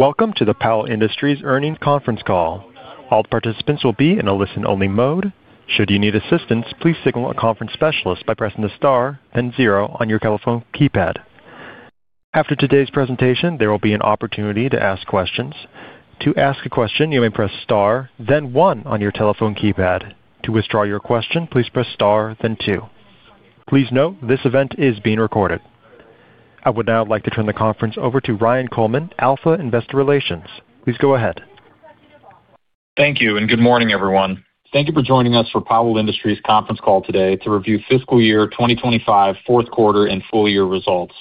Welcome to the Powell Industries Earnings Conference Call. All participants will be in a listen-only mode. Should you need assistance, please signal a conference specialist by pressing the star then zero on your telephone keypad. After today's presentation, there will be an opportunity to ask questions. To ask a question, you may press star, then one on your telephone keypad. To withdraw your question, please press star, then two. Please note, this event is being recorded. I would now like to turn the conference over to Ryan Coleman, Alpha Investor Relations. Please go ahead. Thank you and good morning, everyone. Thank you for joining us for Powell Industries Conference Call today to review fiscal year 2025, fourth quarter, and full-year results.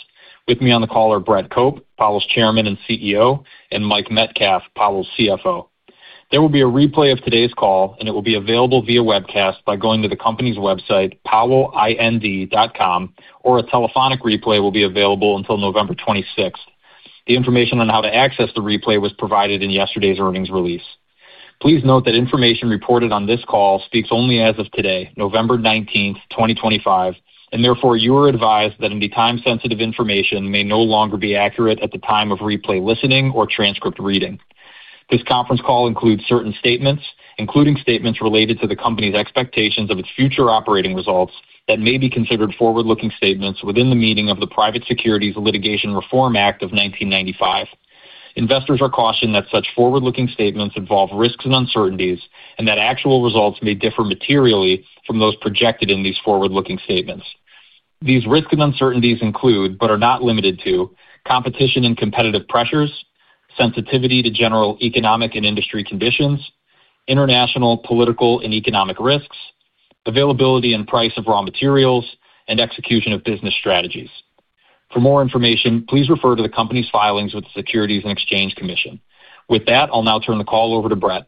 With me on the call are Brett Cope, Powell's Chairman and CEO, and Mike Metcalf, Powell's CFO. There will be a replay of today's call, and it will be available via webcast by going to the company's website, powellind.com, or a telephonic replay will be available until November 26th. The information on how to access the replay was provided in yesterday's earnings release. Please note that information reported on this call speaks only as of today, November 19th, 2025, and therefore you are advised that any time-sensitive information may no longer be accurate at the time of replay listening or transcript reading. This conference call includes certain statements, including statements related to the company's expectations of its future operating results that may be considered forward-looking statements within the meaning of the Private Securities Litigation Reform Act of 1995. Investors are cautioned that such forward-looking statements involve risks and uncertainties and that actual results may differ materially from those projected in these forward-looking statements. These risks and uncertainties include, but are not limited to, competition and competitive pressures, sensitivity to general economic and industry conditions, international, political, and economic risks, availability and price of raw materials, and execution of business strategies. For more information, please refer to the company's filings with the Securities and Exchange Commission. With that, I'll now turn the call over to Brett.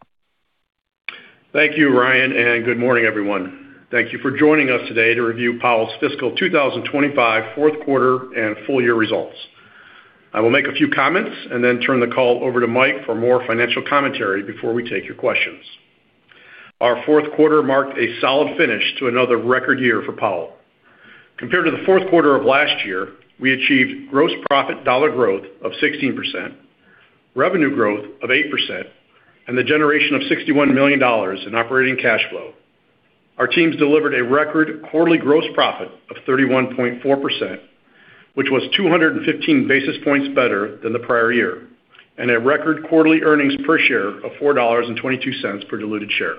Thank you, Ryan, and good morning, everyone. Thank you for joining us today to review Powell's fiscal 2025 fourth quarter and full-year results. I will make a few comments and then turn the call over to Mike for more financial commentary before we take your questions. Our fourth quarter marked a solid finish to another record year for Powell. Compared to the fourth quarter of last year, we achieved gross profit dollar growth of 16%, revenue growth of 8%, and the generation of $61 million in operating cash flow. Our teams delivered a record quarterly gross profit of 31.4%, which was 215 basis points better than the prior year, and a record quarterly earnings per share of $4.22 per diluted share.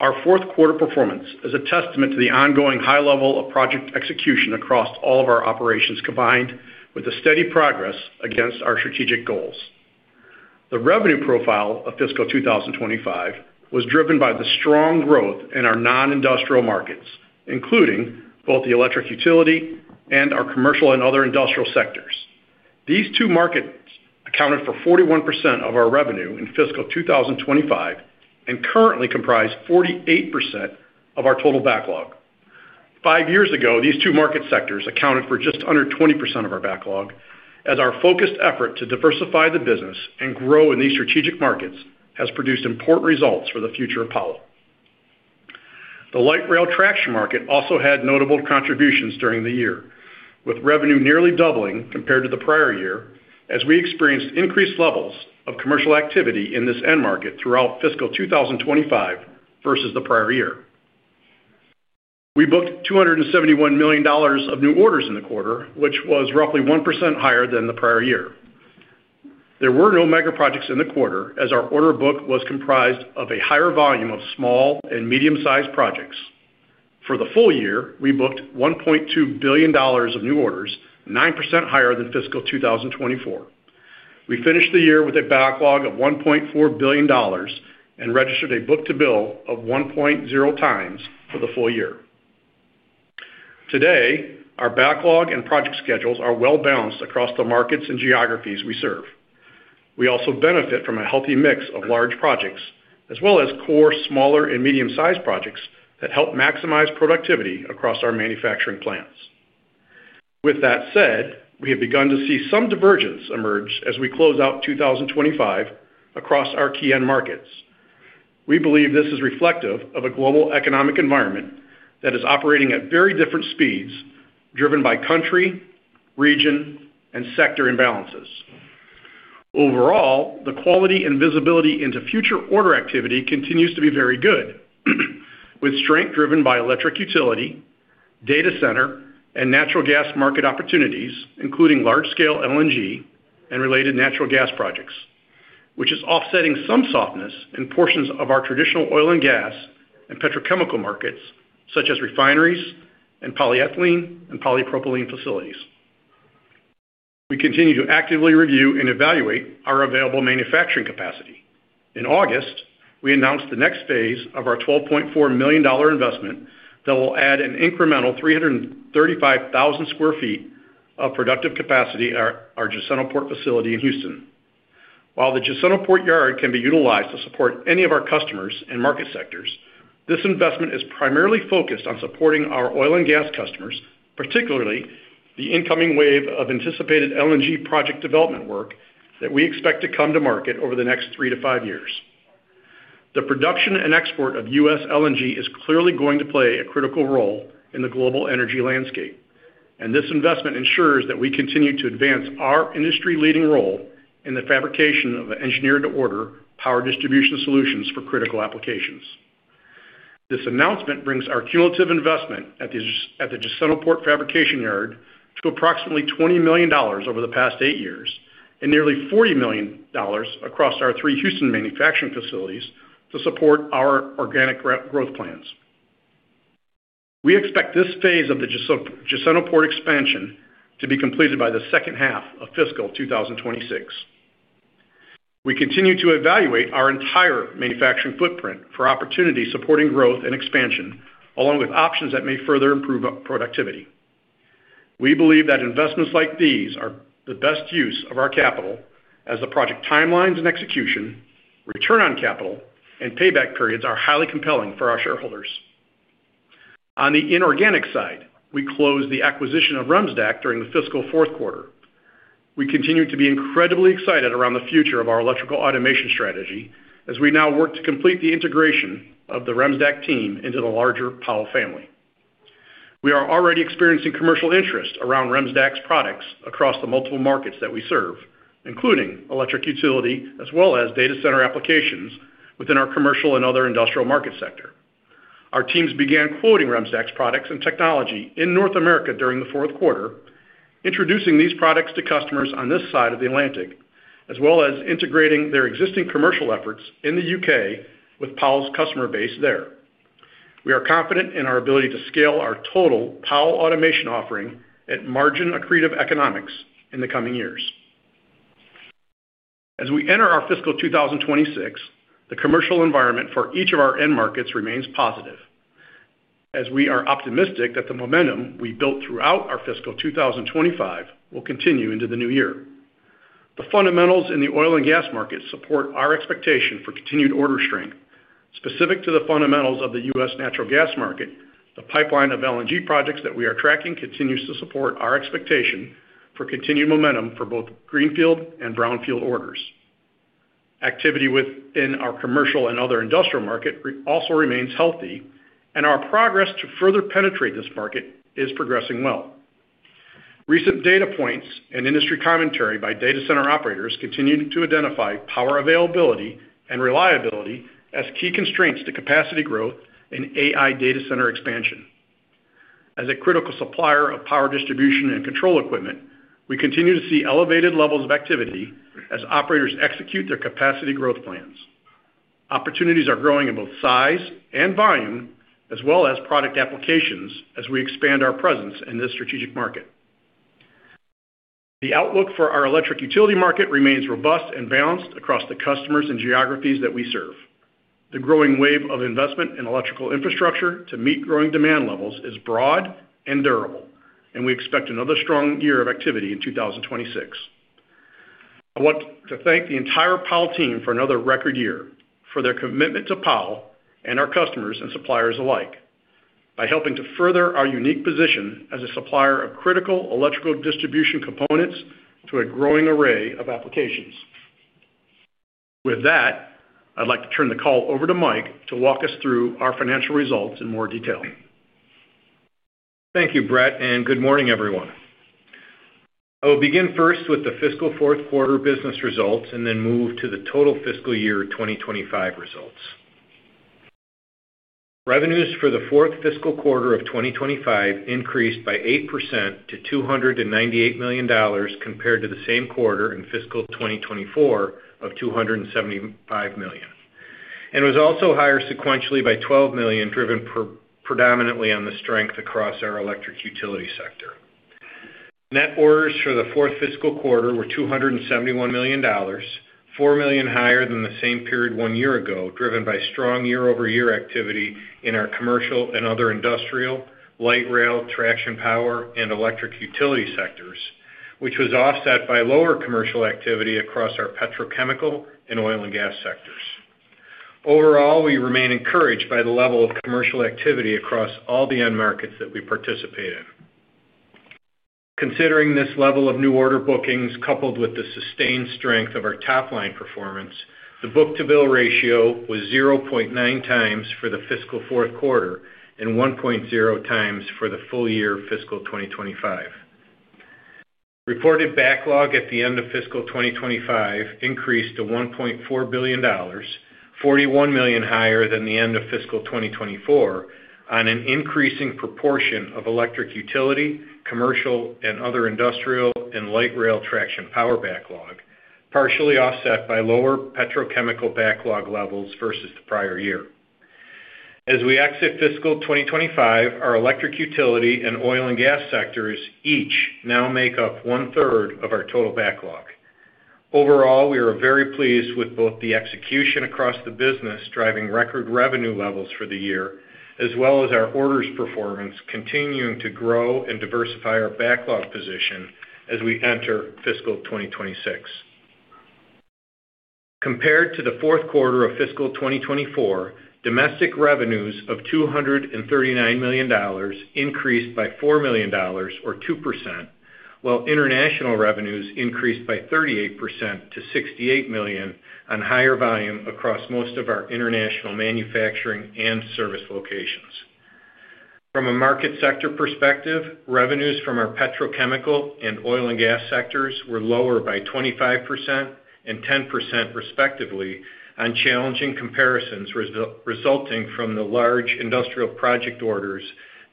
Our fourth-quarter performance is a testament to the ongoing high level of project execution across all of our operations combined with the steady progress against our strategic goals. The revenue profile of fiscal 2025 was driven by the strong growth in our non-industrial markets, including both the electric utility and our commercial and other industrial sectors. These two markets accounted for 41% of our revenue in fiscal 2025 and currently comprise 48% of our total backlog. Five years ago, these two market sectors accounted for just under 20% of our backlog, as our focused effort to diversify the business and grow in these strategic markets has produced important results for the future of Powell. The light rail traction market also had notable contributions during the year, with revenue nearly doubling compared to the prior year as we experienced increased levels of commercial activity in this end market throughout fiscal 2025 versus the prior year. We booked $271 million of new orders in the quarter, which was roughly 1% higher than the prior year. There were no mega projects in the quarter as our order book was comprised of a higher volume of small and medium-sized projects. For the full year, we booked $1.2 billion of new orders, 9% higher than fiscal 2024. We finished the year with a backlog of $1.4 billion and registered a book-to-bill of 1.0 times for the full year. Today, our backlog and project schedules are well balanced across the markets and geographies we serve. We also benefit from a healthy mix of large projects as well as core, smaller, and medium-sized projects that help maximize productivity across our manufacturing plants. With that said, we have begun to see some divergence emerge as we close out 2025 across our key end markets. We believe this is reflective of a global economic environment that is operating at very different speeds driven by country, region, and sector imbalances. Overall, the quality and visibility into future order activity continues to be very good, with strength driven by electric utility, data center, and natural gas market opportunities, including large-scale LNG and related natural gas projects, which is offsetting some softness in portions of our traditional oil and gas and petrochemical markets such as refineries and polyethylene and polypropylene facilities. We continue to actively review and evaluate our available manufacturing capacity. In August, we announced the next phase of our $12.4 million investment that will add an incremental 335,000 sq ft of productive capacity at our Jacintoport facility in Houston. While the Jacintoport yard can be utilized to support any of our customers and market sectors, this investment is primarily focused on supporting our oil and gas customers, particularly the incoming wave of anticipated LNG project development work that we expect to come to market over the next three to five years. The production and export of U.S. LNG is clearly going to play a critical role in the global energy landscape, and this investment ensures that we continue to advance our industry-leading role in the fabrication of engineered-to-order power distribution solutions for critical applications. This announcement brings our cumulative investment at the Jacintoport fabrication yard to approximately $20 million over the past eight years and nearly $40 million across our three Houston manufacturing facilities to support our organic growth plans. We expect this phase of the Jacintoport expansion to be completed by the second half of fiscal 2026. We continue to evaluate our entire manufacturing footprint for opportunities supporting growth and expansion, along with options that may further improve productivity. We believe that investments like these are the best use of our capital, as the project timelines and execution, return on capital, and payback periods are highly compelling for our shareholders. On the inorganic side, we closed the acquisition of REMSDAC during the fiscal fourth quarter. We continue to be incredibly excited around the future of our electrical automation strategy as we now work to complete the integration of the REMSDAC team into the larger Powell family. We are already experiencing commercial interest around REMSDAC's products across the multiple markets that we serve, including electric utility as well as data center applications within our commercial and other industrial market sector. Our teams began quoting REMSDAC's products and technology in North America during the fourth quarter, introducing these products to customers on this side of the Atlantic, as well as integrating their existing commercial efforts in the U.K. with Powell's customer base there. We are confident in our ability to scale our total Powell automation offering at margin-accretive economics in the coming years. As we enter our fiscal 2026, the commercial environment for each of our end markets remains positive, as we are optimistic that the momentum we built throughout our fiscal 2025 will continue into the new year. The fundamentals in the oil and gas market support our expectation for continued order strength. Specific to the fundamentals of the U.S. natural gas market, the pipeline of LNG projects that we are tracking continues to support our expectation for continued momentum for both greenfield and brownfield orders. Activity within our commercial and other industrial market also remains healthy, and our progress to further penetrate this market is progressing well. Recent data points and industry commentary by data center operators continue to identify power availability and reliability as key constraints to capacity growth in AI data center expansion. As a critical supplier of power distribution and control equipment, we continue to see elevated levels of activity as operators execute their capacity growth plans. Opportunities are growing in both size and volume, as well as product applications, as we expand our presence in this strategic market. The outlook for our electric utility market remains robust and balanced across the customers and geographies that we serve. The growing wave of investment in electrical infrastructure to meet growing demand levels is broad and durable, and we expect another strong year of activity in 2026. I want to thank the entire Powell team for another record year for their commitment to Powell and our customers and suppliers alike by helping to further our unique position as a supplier of critical electrical distribution components to a growing array of applications. With that, I'd like to turn the call over to Mike to walk us through our financial results in more detail. Thank you, Brett, and good morning, everyone. I will begin first with the fiscal fourth quarter business results and then move to the total fiscal year 2025 results. Revenues for the fourth fiscal quarter of 2025 increased by 8% to $298 million compared to the same quarter in fiscal 2024 of $275 million, and was also higher sequentially by $12 million, driven predominantly on the strength across our electric utility sector. Net orders for the fourth fiscal quarter were $271 million, $4 million higher than the same period one year ago, driven by strong year-over-year activity in our commercial and other industrial, light rail, traction power, and electric utility sectors, which was offset by lower commercial activity across our petrochemical and oil and gas sectors. Overall, we remain encouraged by the level of commercial activity across all the end markets that we participate in. Considering this level of new order bookings coupled with the sustained strength of our top-line performance, the book-to-bill ratio was 0.9 times for the fiscal fourth quarter and 1.0 times for the full year fiscal 2025. Reported backlog at the end of fiscal 2025 increased to $1.4 billion, $41 million higher than the end of fiscal 2024, on an increasing proportion of electric utility, commercial, and other industrial and light rail traction power backlog, partially offset by lower petrochemical backlog levels versus the prior year. As we exit fiscal 2025, our electric utility and oil and gas sectors each now make up one-third of our total backlog. Overall, we are very pleased with both the execution across the business driving record revenue levels for the year, as well as our orders performance continuing to grow and diversify our backlog position as we enter fiscal 2026. Compared to the fourth quarter of fiscal 2024, domestic revenues of $239 million increased by $4 million, or 2%, while international revenues increased by 38% to $68 million on higher volume across most of our international manufacturing and service locations. From a market sector perspective, revenues from our petrochemical and oil and gas sectors were lower by 25% and 10%, respectively, on challenging comparisons resulting from the large industrial project orders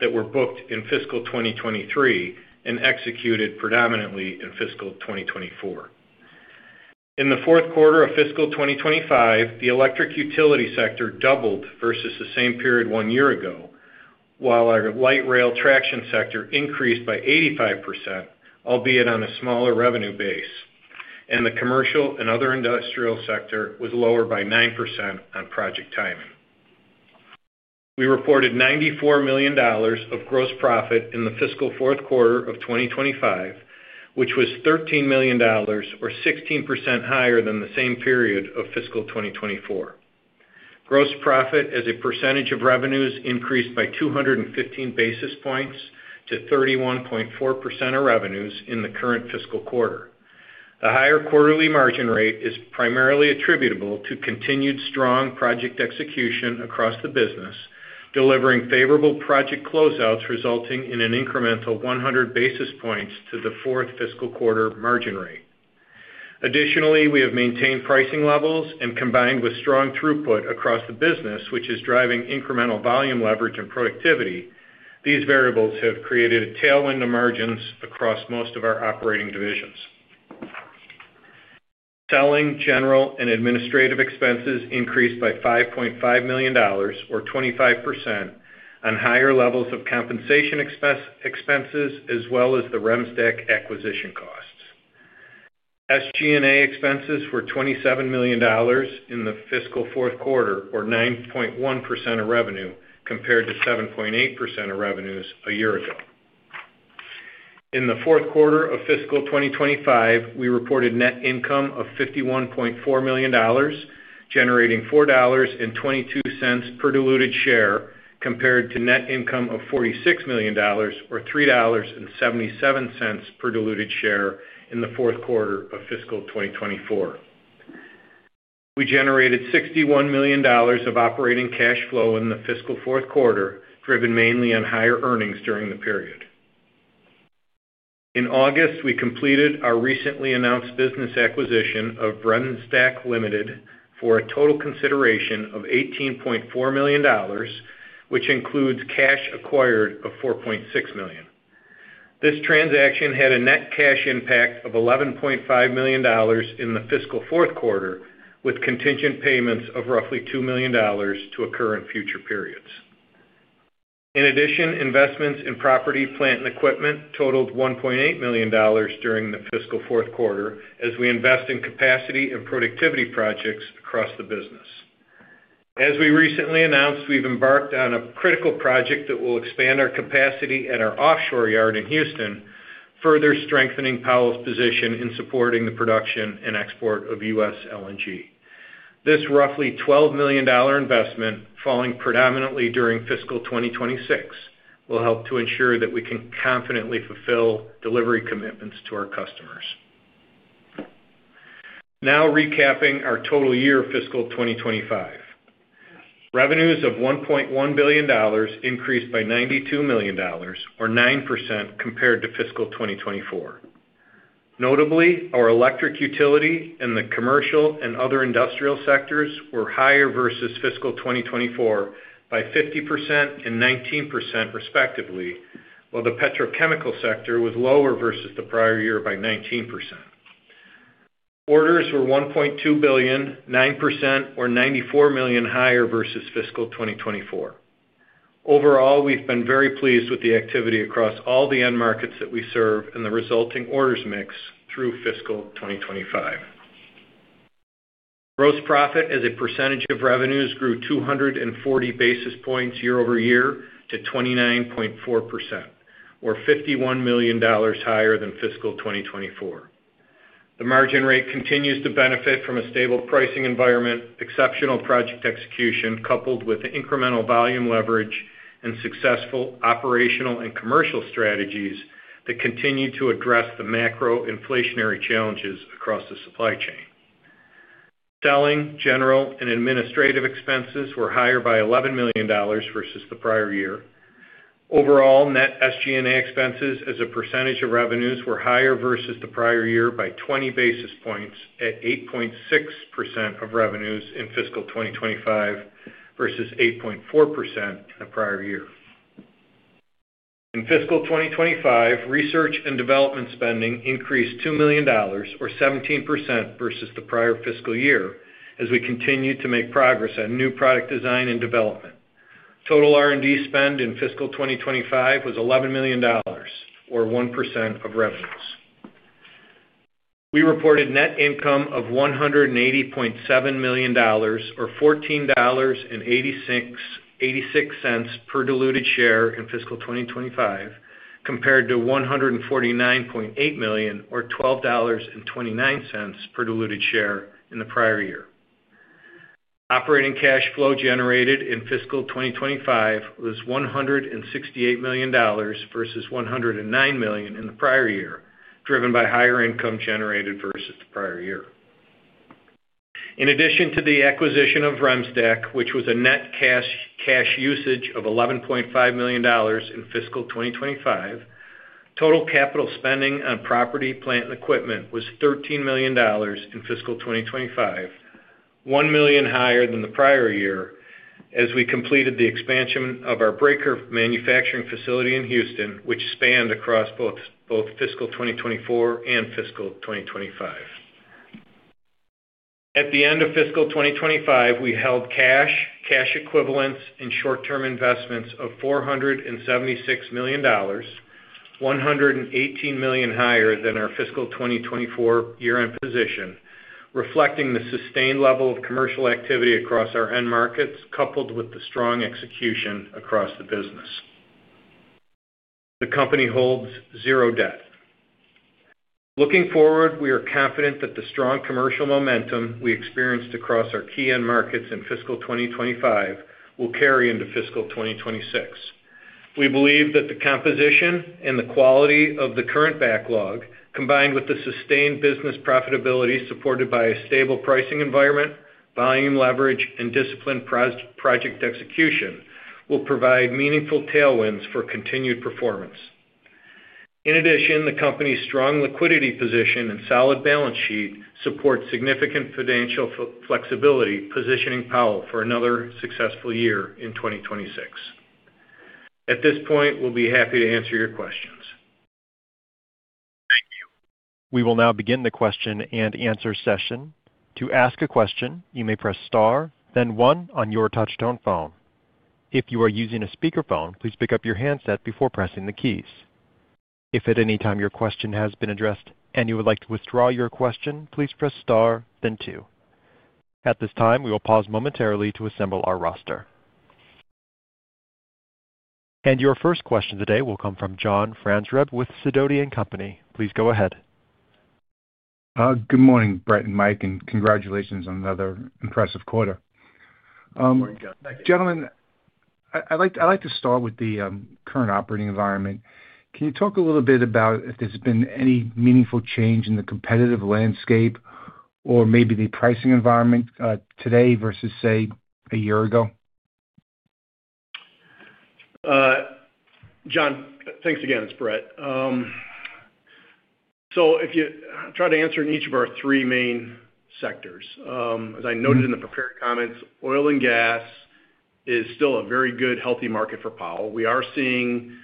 that were booked in fiscal 2023 and executed predominantly in fiscal 2024. In the fourth quarter of fiscal 2025, the electric utility sector doubled versus the same period one year ago, while our light rail traction sector increased by 85%, albeit on a smaller revenue base, and the commercial and other industrial sector was lower by 9% on project timing. We reported $94 million of gross profit in the fiscal fourth quarter of 2025, which was $13 million, or 16%, higher than the same period of fiscal 2024. Gross profit as a percentage of revenues increased by 215 basis points to 31.4% of revenues in the current fiscal quarter. The higher quarterly margin rate is primarily attributable to continued strong project execution across the business, delivering favorable project closeouts resulting in an incremental 100 basis points to the fourth fiscal quarter margin rate. Additionally, we have maintained pricing levels and combined with strong throughput across the business, which is driving incremental volume leverage and productivity. These variables have created a tailwind to margins across most of our operating divisions. Selling, general, and administrative expenses increased by $5.5 million, or 25%, on higher levels of compensation expenses as well as the REMSDAC acquisition costs. SG&A expenses were $27 million in the fiscal fourth quarter, or 9.1% of revenue, compared to 7.8% of revenue a year ago. In the fourth quarter of fiscal 2025, we reported net income of $51.4 million, generating $4.22 per diluted share compared to net income of $46 million, or $3.77 per diluted share, in the fourth quarter of fiscal 2024. We generated $61 million of operating cash flow in the fiscal fourth quarter, driven mainly on higher earnings during the period. In August, we completed our recently announced business acquisition of REMSDAC Limited for a total consideration of $18.4 million, which includes cash acquired of $4.6 million. This transaction had a net cash impact of $11.5 million in the fiscal fourth quarter, with contingent payments of roughly $2 million to occur in future periods. In addition, investments in property, plant, and equipment totaled $1.8 million during the fiscal fourth quarter as we invest in capacity and productivity projects across the business. As we recently announced, we've embarked on a critical project that will expand our capacity at our offshore yard in Houston, further strengthening Powell's position in supporting the production and export of U.S. LNG. This roughly $12 million investment, falling predominantly during fiscal 2026, will help to ensure that we can confidently fulfill delivery commitments to our customers. Now recapping our total year fiscal 2025, revenues of $1.1 billion increased by $92 million, or 9%, compared to fiscal 2024. Notably, our electric utility and the commercial and other industrial sectors were higher versus fiscal 2024 by 50% and 19%, respectively, while the petrochemical sector was lower versus the prior year by 19%. Orders were $1.2 billion, 9%, or $94 million higher versus fiscal 2024. Overall, we've been very pleased with the activity across all the end markets that we serve and the resulting orders mix through fiscal 2025. Gross profit as a percentage of revenues grew 240 basis points year-over-year to 29.4%, or $51 million higher than fiscal 2024. The margin rate continues to benefit from a stable pricing environment, exceptional project execution coupled with incremental volume leverage, and successful operational and commercial strategies that continue to address the macro inflationary challenges across the supply chain. Selling, general, and administrative expenses were higher by $11 million versus the prior year. Overall, net SG&A expenses as a percentage of revenues were higher versus the prior year by 20 basis points at 8.6% of revenues in fiscal 2025 versus 8.4% in the prior year. In fiscal 2025, research and development spending increased $2 million, or 17%, versus the prior fiscal year as we continue to make progress on new product design and development. Total R&D spend in fiscal 2025 was $11 million, or 1% of revenues. We reported net income of $180.7 million, or $14.86 per diluted share in fiscal 2025, compared to $149.8 million, or $12.29 per diluted share in the prior year. Operating cash flow generated in fiscal 2025 was $168 million versus $109 million in the prior year, driven by higher income generated versus the prior year. In addition to the acquisition of REMSDAC, which was a net cash usage of $11.5 million in fiscal 2025, total capital spending on property, plant, and equipment was $13 million in fiscal 2025, one million higher than the prior year, as we completed the expansion of our breaker manufacturing facility in Houston, which spanned across both fiscal 2024 and fiscal 2025. At the end of fiscal 2025, we held cash, cash equivalents, and short-term investments of $476 million, $118 million higher than our fiscal 2024 year-end position, reflecting the sustained level of commercial activity across our end markets coupled with the strong execution across the business. The company holds zero debt. Looking forward, we are confident that the strong commercial momentum we experienced across our key end markets in fiscal 2025 will carry into fiscal 2026. We believe that the composition and the quality of the current backlog, combined with the sustained business profitability supported by a stable pricing environment, volume leverage, and disciplined project execution, will provide meaningful tailwinds for continued performance. In addition, the company's strong liquidity position and solid balance sheet support significant financial flexibility, positioning Powell for another successful year in 2026. At this point, we'll be happy to answer your questions. Thank you. We will now begin the question and answer session. To ask a question, you may press star, then one on your touch-tone phone. If you are using a speakerphone, please pick up your handset before pressing the keys. If at any time your question has been addressed and you would like to withdraw your question, please press star, then two. At this time, we will pause momentarily to assemble our roster. Your first question today will come from John Franzreb with Sidoti & Company. Please go ahead. Good morning, Brett and Mike, and congratulations on another impressive quarter. Morning, John. Gentlemen, I'd like to start with the current operating environment. Can you talk a little bit about if there's been any meaningful change in the competitive landscape or maybe the pricing environment today versus, say, a year ago? John, thanks again. It's Brett. I'll try to answer in each of our three main sectors. As I noted in the prepared comments, oil and gas is still a very good, healthy market for Powell. We are seeing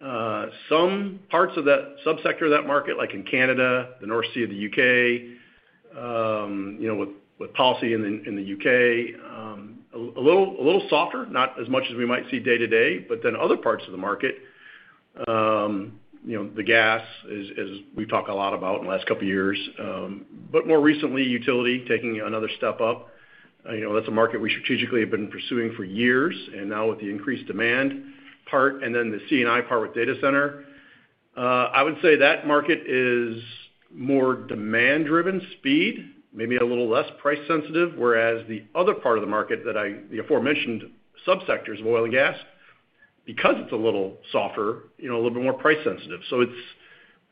some parts of that subsector of that market, like in Canada, the North Sea of the U.K., with policy in the U.K. a little softer, not as much as we might see day-to-day, but then other parts of the market. The gas, as we've talked a lot about in the last couple of years, but more recently, utility taking another step up. That's a market we strategically have been pursuing for years, and now with the increased demand part and then the C&I part with data center, I would say that market is more demand-driven, speed, maybe a little less price-sensitive, whereas the other part of the market that I, the aforementioned subsectors of oil and gas, because it's a little softer, a little bit more price-sensitive. It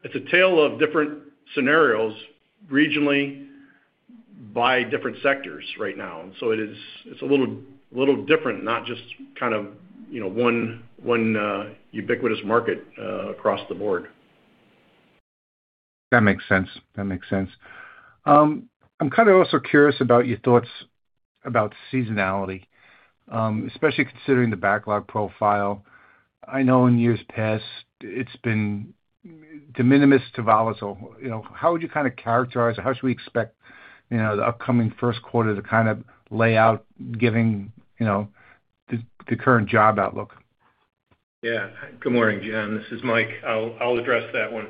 is a tale of different scenarios regionally by different sectors right now. It is a little different, not just kind of one ubiquitous market across the board. That makes sense. That makes sense. I'm kind of also curious about your thoughts about seasonality, especially considering the backlog profile. I know in years past, it's been de minimis to volatile. How would you kind of characterize it? How should we expect the upcoming first quarter to kind of lay out, giving the current job outlook? Yeah. Good morning, John. This is Mike. I'll address that one.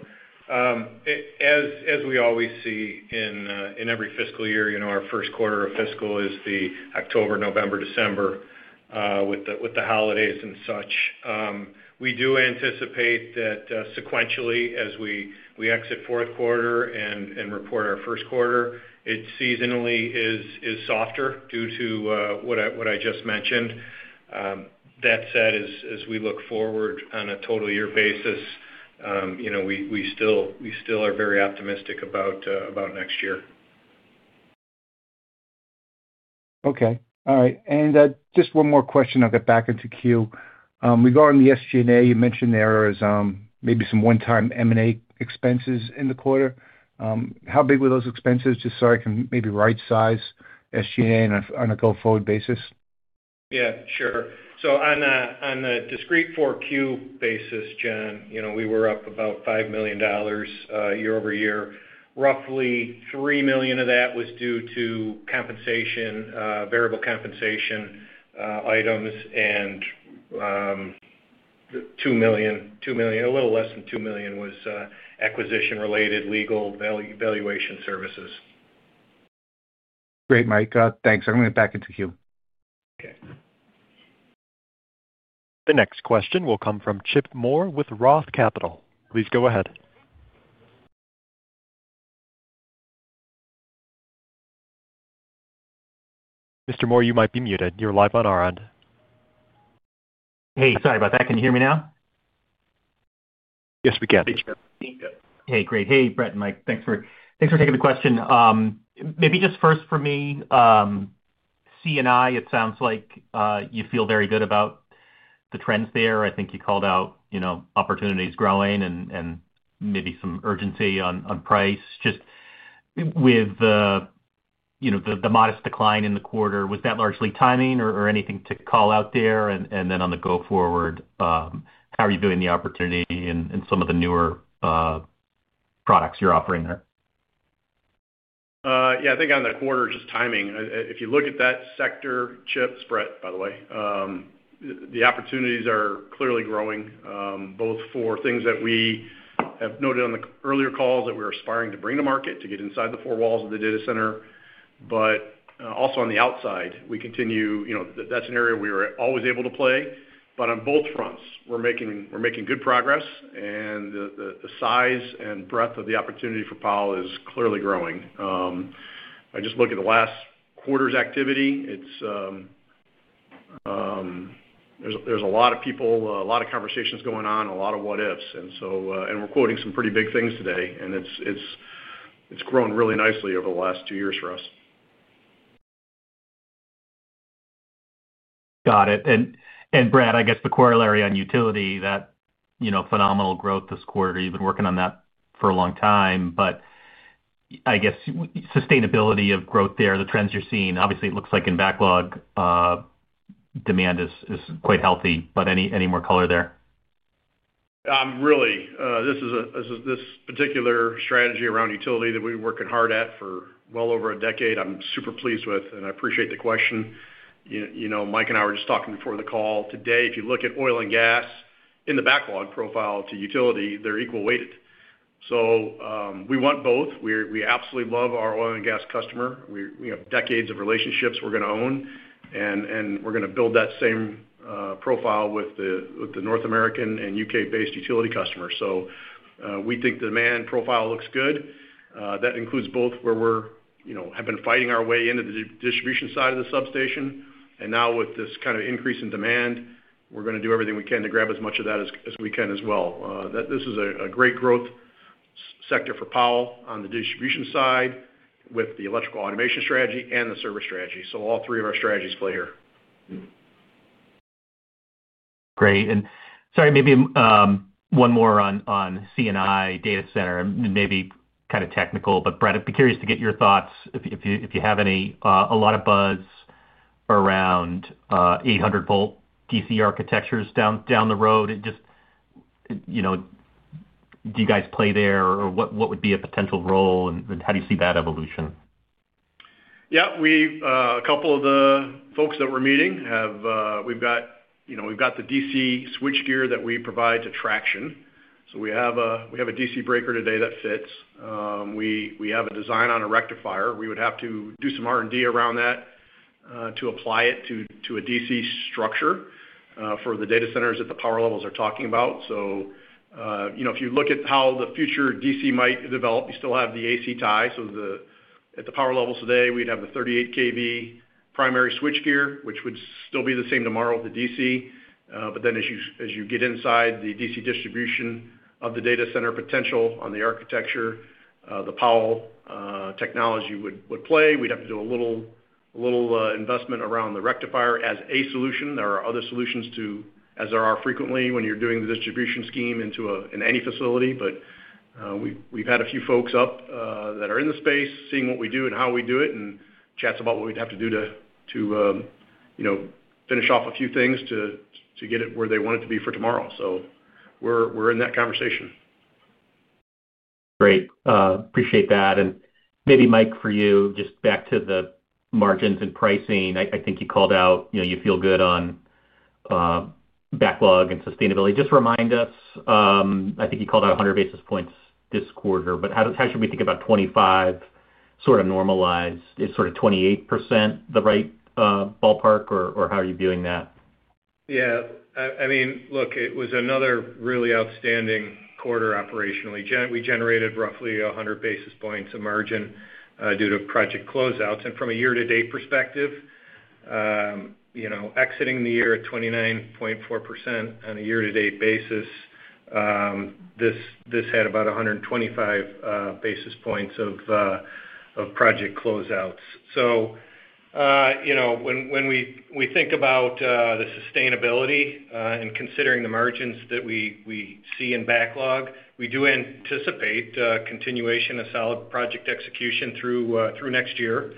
As we always see in every fiscal year, our first quarter of fiscal is the October, November, December with the holidays and such. We do anticipate that sequentially, as we exit fourth quarter and report our first quarter, it seasonally is softer due to what I just mentioned. That said, as we look forward on a total year basis, we still are very optimistic about next year. Okay. All right. Just one more question. I'll get back into queue. Regarding the SG&A, you mentioned there was maybe some one-time M&A expenses in the quarter. How big were those expenses? Just so I can maybe right-size SG&A on a go-forward basis. Yeah. Sure. On a discrete fourth-quarter basis, John, we were up about $5 million year-over-year. Roughly $3 million of that was due to compensation, variable compensation items, and $2 million. A little less than $2 million was acquisition-related legal valuation services. Great, Mike. Thanks. I'm going to get back into queue. Okay. The next question will come from Chip Moore with Roth Capital. Please go ahead. Mr. Moore, you might be muted. You're live on our end. Hey. Sorry about that. Can you hear me now? Yes, we can. Yes, we can. Hey. Great. Hey, Brett and Mike. Thanks for taking the question. Maybe just first for me, C&I, it sounds like you feel very good about the trends there. I think you called out opportunities growing and maybe some urgency on price. Just with the modest decline in the quarter, was that largely timing or anything to call out there? On the go-forward, how are you viewing the opportunity in some of the newer products you're offering there? Yeah. I think on the quarter, just timing. If you look at that sector, chips, Brett, by the way, the opportunities are clearly growing, both for things that we have noted on the earlier calls that we're aspiring to bring to market to get inside the four walls of the data center, but also on the outside. We continue that's an area we were always able to play. On both fronts, we're making good progress, and the size and breadth of the opportunity for Powell is clearly growing. I just look at the last quarter's activity. There's a lot of people, a lot of conversations going on, a lot of what-ifs. We're quoting some pretty big things today, and it's grown really nicely over the last two years for us. Got it. Brett, I guess the corollary on utility, that phenomenal growth this quarter, you've been working on that for a long time, but I guess sustainability of growth there, the trends you're seeing, obviously, it looks like in backlog, demand is quite healthy. Any more color there? Really, this particular strategy around utility that we've been working hard at for well over a decade, I'm super pleased with, and I appreciate the question. Mike and I were just talking before the call today. If you look at oil and gas in the backlog profile to utility, they're equal weighted. We want both. We absolutely love our oil and gas customer. We have decades of relationships we're going to own, and we're going to build that same profile with the North American and U.K.-based utility customers. We think the demand profile looks good. That includes both where we have been fighting our way into the distribution side of the substation. Now with this kind of increase in demand, we're going to do everything we can to grab as much of that as we can as well. This is a great growth sector for Powell on the distribution side with the electrical automation strategy and the service strategy. All three of our strategies play here. Great. Sorry, maybe one more on C&I, data center, and maybe kind of technical, but Brett, I'd be curious to get your thoughts if you have any. A lot of buzz around 800-volt DC architectures down the road. Do you guys play there, or what would be a potential role, and how do you see that evolution? Yeah. A couple of the folks that we're meeting, we've got the DC switchgear that we provide to traction. We have a DC breaker today that fits. We have a design on a rectifier. We would have to do some R&D around that to apply it to a DC structure for the data centers that the power levels are talking about. If you look at how the future DC might develop, you still have the AC tie. At the power levels today, we'd have the 38 kV primary switchgear, which would still be the same tomorrow with the DC. As you get inside the DC distribution of the data center potential on the architecture, the Powell technology would play. We'd have to do a little investment around the rectifier as a solution. There are other solutions, as there are frequently when you're doing the distribution scheme in any facility. We have had a few folks up that are in the space seeing what we do and how we do it and chats about what we'd have to do to finish off a few things to get it where they want it to be for tomorrow. We are in that conversation. Great. Appreciate that. Maybe, Mike, for you, just back to the margins and pricing. I think you called out you feel good on backlog and sustainability. Just remind us, I think you called out 100 basis points this quarter, but how should we think about 2025 sort of normalized? Is sort of 28% the right ballpark, or how are you viewing that? Yeah. I mean, look, it was another really outstanding quarter operationally. We generated roughly 100 basis points of margin due to project closeouts. From a year-to-date perspective, exiting the year at 29.4% on a year-to-date basis, this had about 125 basis points of project closeouts. When we think about the sustainability and considering the margins that we see in backlog, we do anticipate continuation of solid project execution through next year.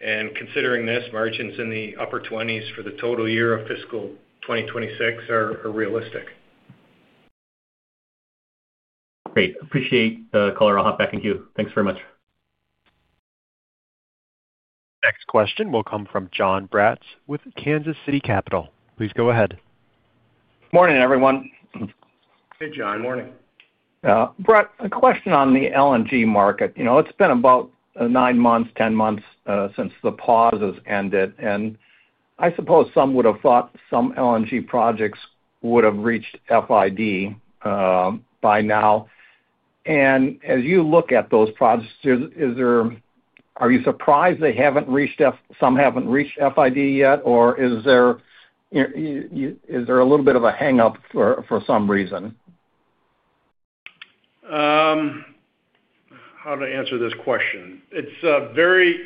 Considering this, margins in the upper 20s for the total year of fiscal 2026 are realistic. Great. Appreciate the call. I'll hop back into queue. Thanks very much. Next question will come from John Bratz with Kansas City Capital. Please go ahead. Good morning, everyone. Hey, John. Morning. Brett, a question on the LNG market. It's been about nine months, ten months since the pauses ended, and I suppose some would have thought some LNG projects would have reached FID by now. As you look at those projects, are you surprised they haven't reached FID yet, or is there a little bit of a hang-up for some reason? How to answer this question? It's very,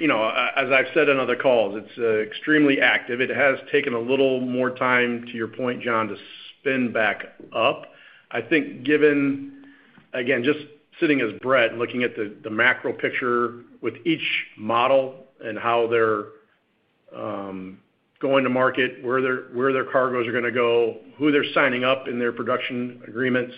as I've said in other calls, it's extremely active. It has taken a little more time, to your point, John, to spin back up. I think, again, just sitting as Brett and looking at the macro picture with each model and how they're going to market, where their cargoes are going to go, who they're signing up in their production agreements,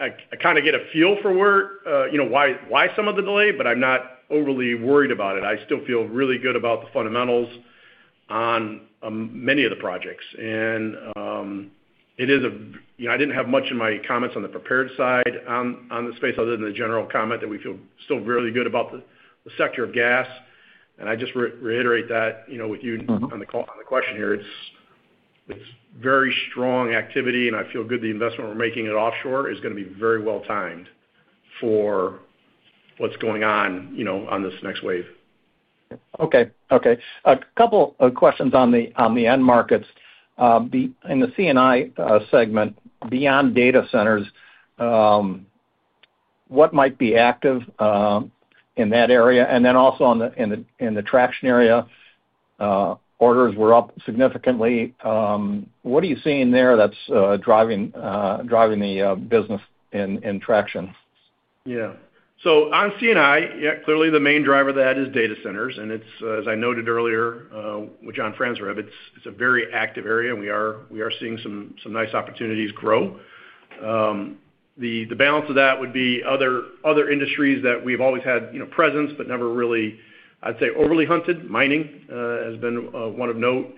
I kind of get a feel for why some of the delay, but I'm not overly worried about it. I still feel really good about the fundamentals on many of the projects. It is a I didn't have much in my comments on the prepared side on the space other than the general comment that we feel still really good about the sector of gas. I just reiterate that with you on the question here. It's very strong activity, and I feel good the investment we're making at offshore is going to be very well timed for what's going on on this next wave. Okay. Okay. A couple of questions on the end markets. In the C&I segment, beyond data centers, what might be active in that area? Also in the traction area, orders were up significantly. What are you seeing there that's driving the business in traction? Yeah. On C&I, clearly the main driver of that is data centers. As I noted earlier with John Franzreb, it's a very active area, and we are seeing some nice opportunities grow. The balance of that would be other industries that we've always had presence but never really, I'd say, overly hunted. Mining has been one of note.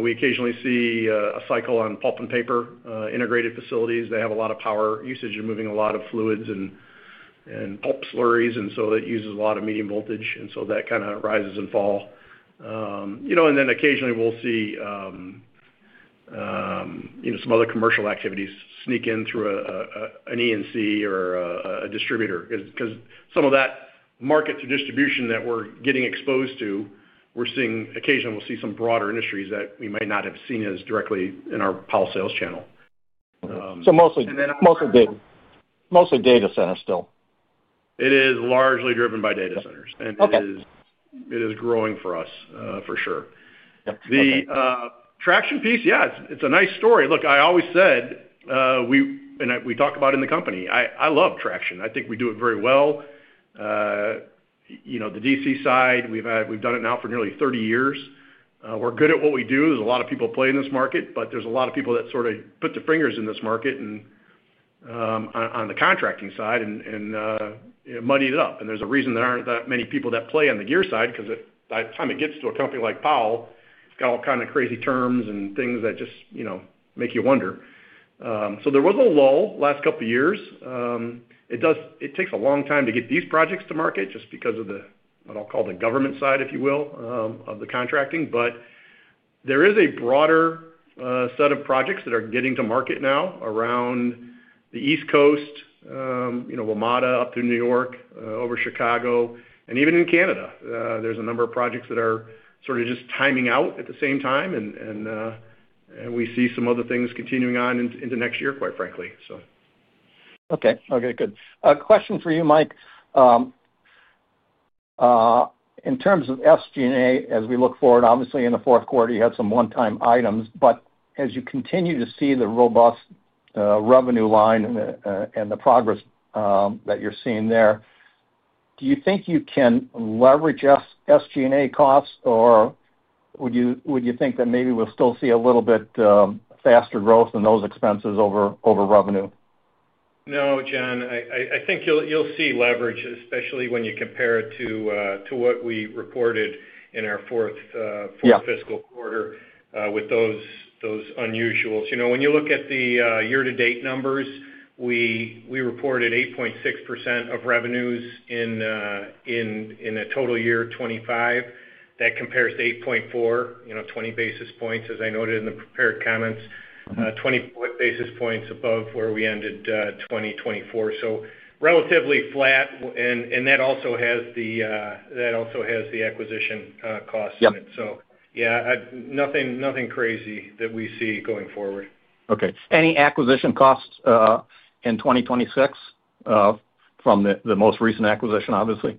We occasionally see a cycle on pulp and paper integrated facilities. They have a lot of power usage. They're moving a lot of fluids and pulp slurries, and so that uses a lot of medium voltage. That kind of rises and falls. Occasionally, we'll see some other commercial activities sneak in through an ENC or a distributor because some of that market-to-distribution that we're getting exposed to; we're seeing occasionally, we'll see some broader industries that we might not have seen as directly in our Powell sales channel. Mostly data centers still. It is largely driven by data centers, and it is growing for us, for sure. The traction piece, yeah, it's a nice story. Look, I always said, and we talk about it in the company, I love traction. I think we do it very well. The DC side, we've done it now for nearly 30 years. We're good at what we do. There's a lot of people playing in this market, but there's a lot of people that sort of put their fingers in this market on the contracting side and muddy it up. There is a reason there aren't that many people that play on the gear side because by the time it gets to a company like Powell, it's got all kinds of crazy terms and things that just make you wonder. There was a lull last couple of years. It takes a long time to get these projects to market just because of what I'll call the government side, if you will, of the contracting. There is a broader set of projects that are getting to market now around the East Coast, WMATA up through New York, over Chicago. Even in Canada, there's a number of projects that are sort of just timing out at the same time, and we see some other things continuing on into next year, quite frankly. Okay. Okay. Good. Question for you, Mike. In terms of SG&A, as we look forward, obviously, in the fourth quarter, you had some one-time items. As you continue to see the robust revenue line and the progress that you're seeing there, do you think you can leverage SG&A costs, or would you think that maybe we'll still see a little bit faster growth in those expenses over revenue? No, John. I think you'll see leverage, especially when you compare it to what we reported in our fourth fiscal quarter with those unusuals. When you look at the year-to-date numbers, we reported 8.6% of revenues in a total year 2025. That compares to 8.4, 20 basis points, as I noted in the prepared comments, 20 basis points above where we ended 2024. Relatively flat, and that also has the acquisition costs in it. Yeah, nothing crazy that we see going forward. Okay. Any acquisition costs in 2026 from the most recent acquisition, obviously?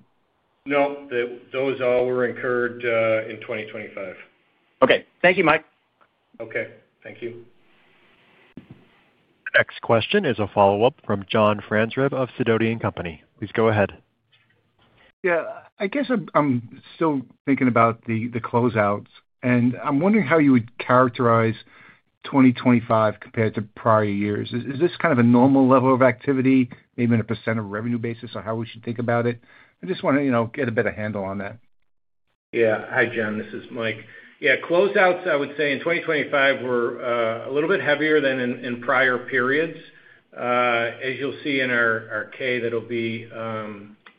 No. Those all were incurred in 2025. Okay. Thank you, Mike. Okay. Thank you. Next question is a follow-up from John Franzreb of Sidoti & Company. Please go ahead. Yeah. I guess I'm still thinking about the closeouts, and I'm wondering how you would characterize 2025 compared to prior years. Is this kind of a normal level of activity, maybe in a percent of revenue basis, on how we should think about it? I just want to get a better handle on that. Yeah. Hi, John. This is Mike. Yeah. Closeouts, I would say in 2025 were a little bit heavier than in prior periods. As you'll see in our K that'll be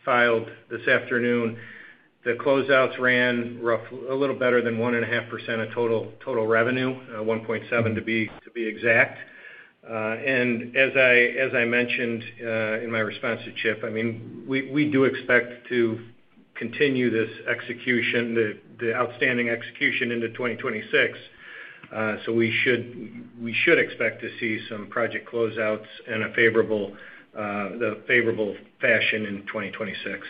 filed this afternoon, the closeouts ran roughly a little better than 1.5% of total revenue, 1.7% to be exact. As I mentioned in my response to Chip, I mean, we do expect to continue this execution, the outstanding execution, into 2026. We should expect to see some project closeouts in a favorable fashion in 2026.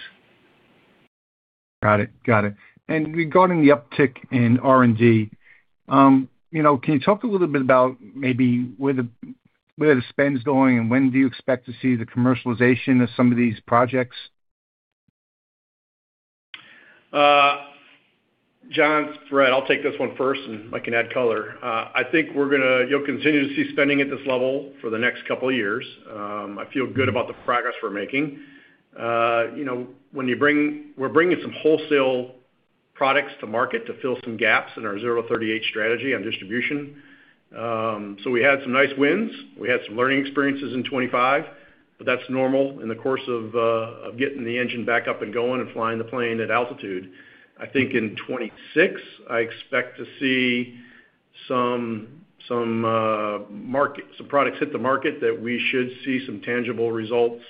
Got it. Got it. Regarding the uptick in R&D, can you talk a little bit about maybe where the spend's going and when do you expect to see the commercialization of some of these projects? John, Brett, I'll take this one first, and I can add color. I think we're going to continue to see spending at this level for the next couple of years. I feel good about the progress we're making. When we're bringing some wholesale products to market to fill some gaps in our 038 strategy on distribution. We had some nice wins. We had some learning experiences in 2025, but that's normal in the course of getting the engine back up and going and flying the plane at altitude. I think in 2026, I expect to see some products hit the market that we should see some tangible results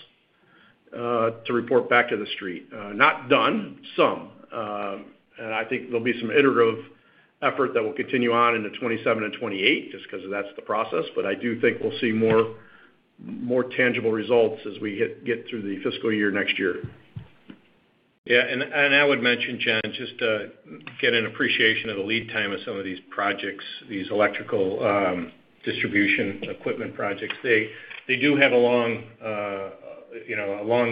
to report back to the street. Not done, some. I think there'll be some iterative effort that will continue on into 2027 and 2028 just because that's the process. I do think we'll see more tangible results as we get through the fiscal year next year. Yeah. I would mention, John, just to get an appreciation of the lead time of some of these projects, these electrical distribution equipment projects. They do have a long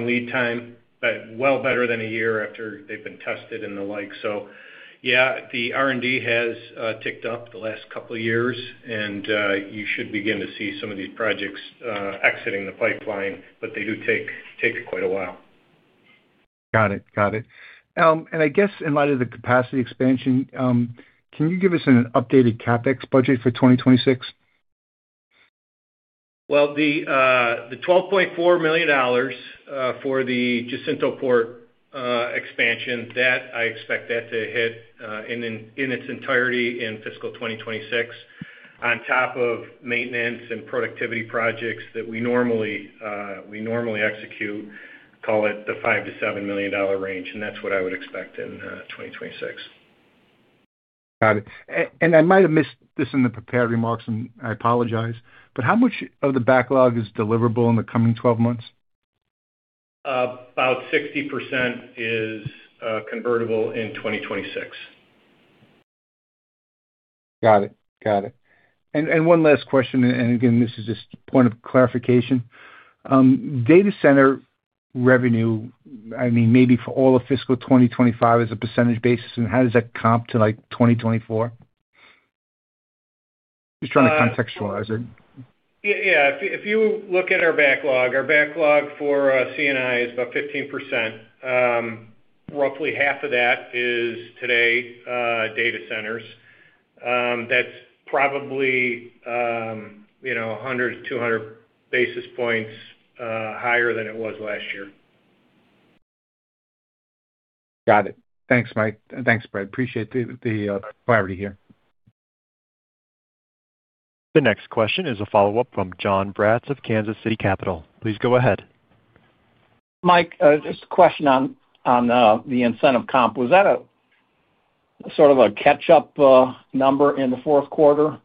lead time, but well better than a year after they've been tested and the like. Yeah, the R&D has ticked up the last couple of years, and you should begin to see some of these projects exiting the pipeline, but they do take quite a while. Got it. Got it. I guess in light of the capacity expansion, can you give us an updated CapEx budget for 2026? The $12.4 million for the Jacintoport expansion, I expect that to hit in its entirety in fiscal 2026 on top of maintenance and productivity projects that we normally execute, call it the $5-$7 million range. That is what I would expect in 2026. Got it. I might have missed this in the prepared remarks, and I apologize, but how much of the backlog is deliverable in the coming 12 months? About 60% is convertible in 2026. Got it. Got it. And one last question, and again, this is just a point of clarification. Data center revenue, I mean, maybe for all of fiscal 2025 as a percentage basis, and how does that comp to 2024? Just trying to contextualize it. Yeah. If you look at our backlog, our backlog for C&I is about 15%. Roughly half of that is today data centers. That's probably 100-200 basis points higher than it was last year. Got it. Thanks, Mike. Thanks, Brett. Appreciate the clarity here. The next question is a follow-up from John Braatz of Kansas City Capital. Please go ahead. Mike, just a question on the incentive comp. Was that sort of a catch-up number in the fourth quarter?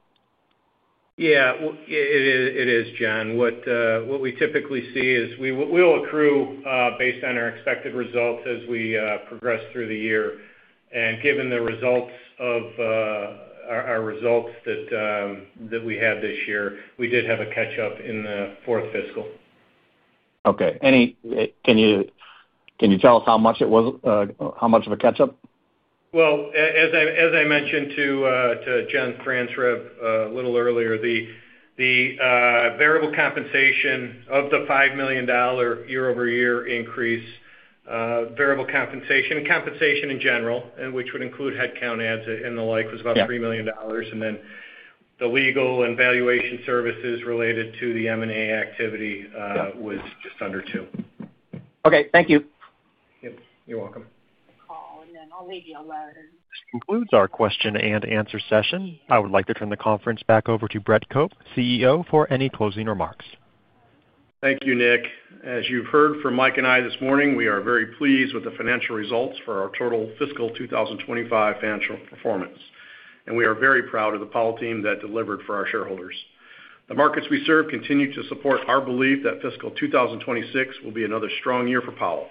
Yeah. It is, John. What we typically see is we'll accrue based on our expected results as we progress through the year. Given the results of our results that we had this year, we did have a catch-up in the fourth fiscal. Okay. Can you tell us how much it was, how much of a catch-up? As I mentioned to John Franzreb a little earlier, the variable compensation of the $5 million year-over-year increase, variable compensation, compensation in general, which would include headcount adds and the like, was about $3 million. The legal and valuation services related to the M&A activity was just under $2 million. Okay. Thank you. Yep. You're welcome. Call, and then I'll leave you alone. This concludes our question and answer session. I would like to turn the conference back over to Brett Cope, CEO, for any closing remarks. Thank you, Nick. As you've heard from Mike and I this morning, we are very pleased with the financial results for our total fiscal 2025 financial performance. We are very proud of the Powell team that delivered for our shareholders. The markets we serve continue to support our belief that fiscal 2026 will be another strong year for Powell.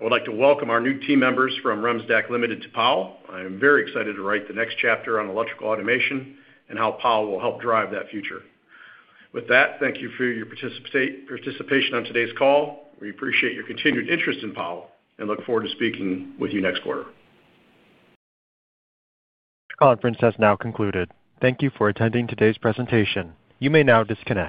I would like to welcome our new team members from REMSDAC Limited to Powell. I am very excited to write the next chapter on electrical automation and how Powell will help drive that future. With that, thank you for your participation on today's call. We appreciate your continued interest in Powell and look forward to speaking with you next quarter. The conference has now concluded. Thank you for attending today's presentation. You may now disconnect.